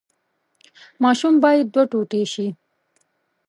ماشوم باید دوه ټوټې شي.